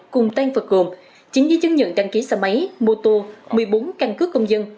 cùng tân phật gồm chính như chứng nhận đăng ký xe máy mô tô một mươi bốn căn cứ công dân